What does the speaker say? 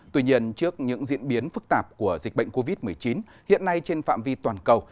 tuy nhiên trước những diễn biến phức tạp của dịch bệnh covid một mươi chín hiện nay trên phạm vi toàn cầu